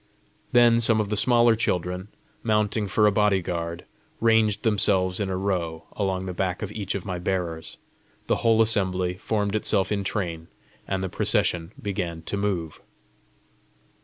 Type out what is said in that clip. Then some of the smaller children, mounting for a bodyguard, ranged themselves in a row along the back of each of my bearers; the whole assembly formed itself in train; and the procession began to move.